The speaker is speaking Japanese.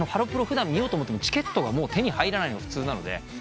普段見ようと思ってもチケットがもう手に入らないの普通なので。